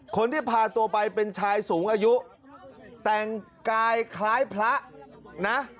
คนที่พาตัวไปเป็นชายสูงอายุแต่งกายคล้ายพระนะ